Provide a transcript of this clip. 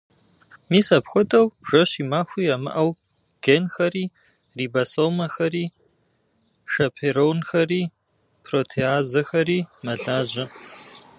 Мис апхуэдэу жэщи махуи ямыӏэу генхэри, рибосомэхэри, шэперонхэри, протеазэхэри мэлажьэ.